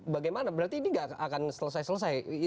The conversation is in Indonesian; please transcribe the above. bagaimana berarti ini nggak akan selesai selesai